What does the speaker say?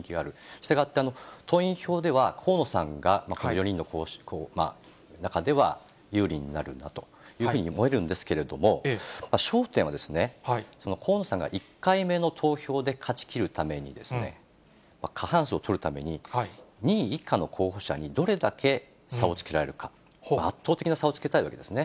したがって党員票では、河野さんがこの４人の中では有利になるんだというふうに思えるんですけれども、焦点は、河野さんが１回目の投票で勝ちきるために、過半数を取るために、２位以下の候補者にどれだけ差をつけられるか、圧倒的な差をつけたいわけですね。